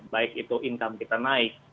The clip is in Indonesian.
baik itu income kita naik